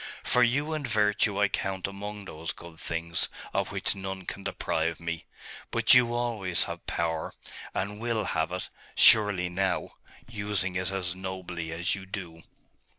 For you and virtue I count among those good things, of which none can deprive me. But you always have power, and will have it, surely, now using it as nobly as you do.